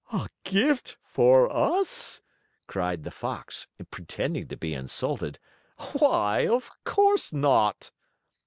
"A gift for us?" cried the Fox, pretending to be insulted. "Why, of course not!"